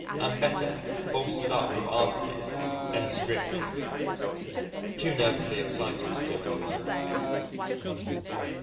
Am better, bolstered up with arsenic and strychnine. Too nervously excited to do any work.